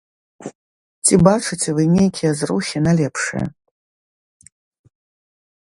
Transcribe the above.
Ці бачыце вы нейкія зрухі на лепшае?